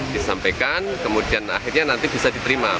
disampaikan kemudian akhirnya nanti bisa diterima